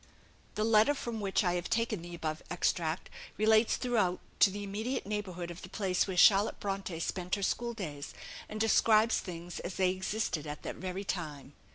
The letter from which I have taken the above extract relates throughout to the immediate neighbourhood of the place where Charlotte Bronte spent her school days, and describes things as they existed at that very time.